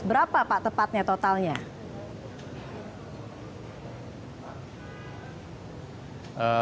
berapa pak tepatnya totalnya